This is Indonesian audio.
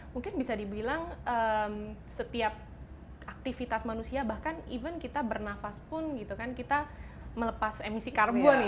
mungkin bisa dibilang setiap aktivitas manusia bahkan even kita bernafas pun gitu kan kita melepas emisi karbon